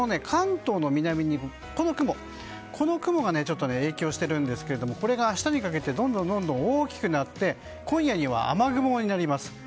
関東の南のこの雲が影響しているんですがこれが明日にかけてどんどん大きくなって今夜には雨雲になります。